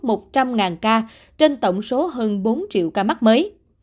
bà làng đã vượt mất một trăm linh ca trên tổng số hơn bốn triệu ca mắc mới